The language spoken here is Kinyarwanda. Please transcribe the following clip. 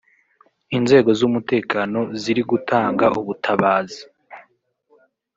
Inzego z’umutekano ziri gutanga ubutabazi